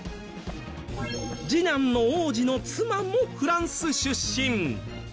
次男の王子の妻もフランス出身。